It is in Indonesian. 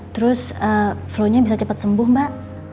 terus eh flu nya bisa cepat sembuh mbak